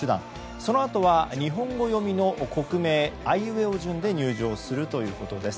そのあとは日本語読みの国名あいうえお順で入場するということです。